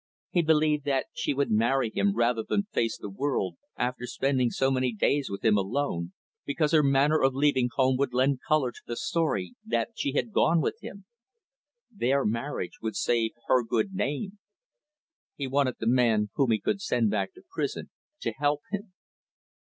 He believed that she would marry him rather than face the world after spending so many days with him alone, because her manner of leaving home would lend color to the story that she had gone with him. Their marriage would save her good name. He wanted the man whom he could send back to prison to help him.